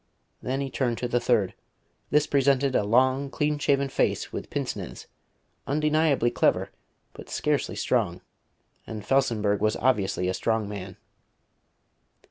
Then he turned to the third. This presented a long, clean shaven face with pince nez, undeniably clever, but scarcely strong: and Felsenburgh was obviously a strong man.